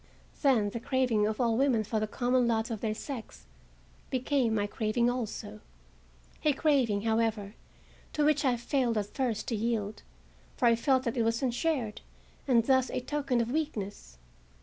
Then the craving of all women for the common lot of their sex became my craving also; a craving, however, to which I failed at first to yield, for I felt that it was unshared, and thus a token of weakness.